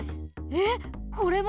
えっこれも？